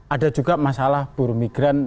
ada juga masalah buru migran